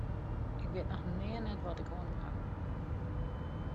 Ik wit noch nea net wat ik oan him haw.